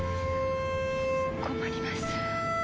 困ります。